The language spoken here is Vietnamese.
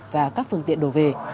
và các phương tiện đổ về